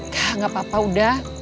wah gak apa apa udah